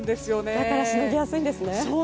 だからしのぎやすいんですね。